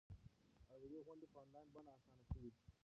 ادبي غونډې په انلاین بڼه اسانه شوي دي.